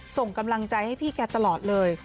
ส่งกำลังใจให้พี่แกตลอดเลย